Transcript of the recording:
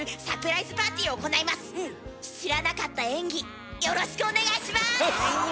知らなかった演技よろしくお願いします！